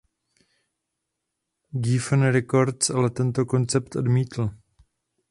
Geffen Records ale tento koncept odmítl.